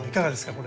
これ。